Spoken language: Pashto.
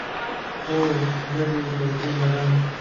هو، لږې پیسې لرم